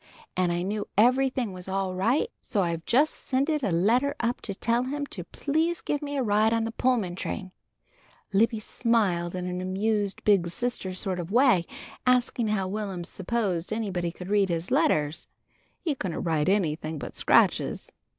An' I knew everything was all right so I've just sended a letter up to tell him to please give me a ride on the Pullman train." Libby smiled in an amused, big sister sort of way, asking how Will'm supposed anybody could read his letters. He couldn't write anything but scratches.